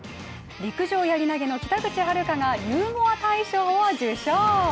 陸上、やり投げの北口榛花がゆうもあ大賞を受賞。